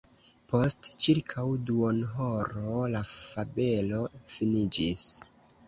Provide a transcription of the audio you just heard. Post ĉirkaŭ duonhoro la fabelo finiĝis.